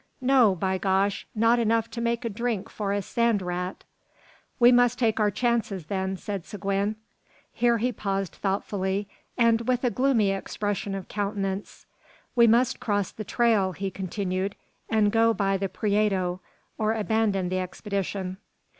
"No, by gosh! not enough to make a drink for a sand rat." "We must take our chances, then," said Seguin. Here he paused thoughtfully, and with a gloomy expression of countenance. "We must cross the trail," he continued, "and go by the Prieto, or abandon the expedition."